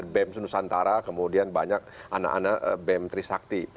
bem sunda santara kemudian banyak anak anak bem trisakti